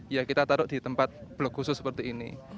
ya kita taruh di tempat blok khusus seperti ini